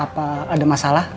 apa ada masalah